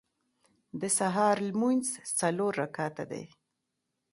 د سهار لمونځ څلور رکعته دی.